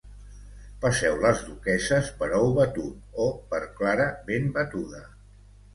Passeu les duquesses per ou batut o per clara ben batuda